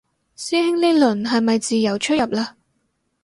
師兄呢輪係咪自由出入嘞